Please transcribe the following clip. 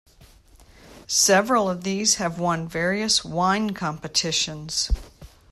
Several of these have won various wine competitions.